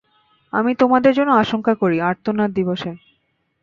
আমি তোমাদের জন্য আশংকা করি আর্তনাদ দিবসের।